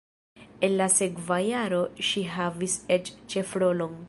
En la sekva jaro ŝi havis eĉ ĉefrolon.